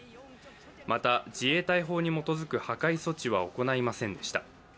また、自衛隊法に基づく破壊措置は行いませんでした。